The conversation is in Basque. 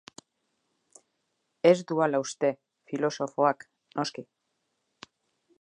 Ez du hala uste, filosofoak, noski.